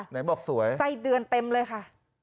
ไหนบอกสวยไส้เดือนเต็มเลยค่ะ